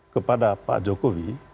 kepada pak jokowi